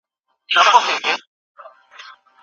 پاکې اوبه د ژوند اساس دی.